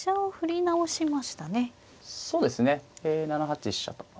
７八飛車と。